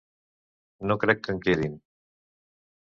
No crec que en quedin.